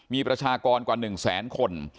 มีประชากรกว่า๑แสนคน